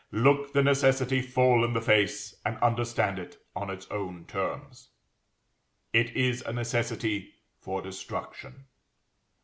Look the necessity full in the face, and understand it on its own terms. It is a necessity for destruction.